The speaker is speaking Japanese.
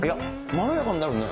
まろやかになるね。